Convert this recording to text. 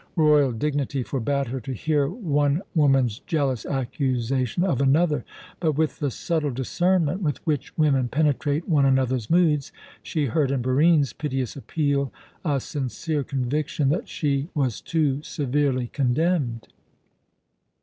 Royal dignity forbade her to hear one woman's jealous accusation of another, but, with the subtle discernment with which women penetrate one another's moods, she heard in Barine's piteous appeal a sincere conviction that she was too severely condemned.